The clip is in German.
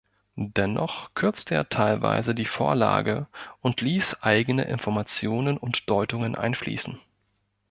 Dennoch kürzte er teilweise die Vorlage und ließ eigene Informationen und Deutungen einfließen.